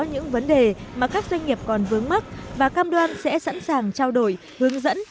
những vấn đề mà các doanh nghiệp còn vướng mắt và cam đoan sẽ sẵn sàng trao đổi hướng dẫn